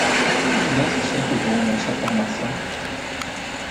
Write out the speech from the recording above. Os gansos sempre voam nessa formação?